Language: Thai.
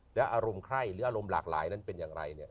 และอารมณ์ไข้หรืออารมณ์หลากหลายนั้นเป็นอย่างไรเนี่ย